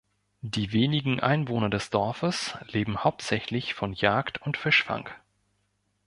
Die wenigen Einwohner des Dorfes leben hauptsächlich von Jagd und Fischfang.